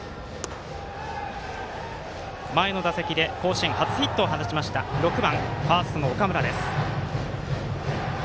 前の打席で甲子園初ヒットを放った６番ファーストの岡村です。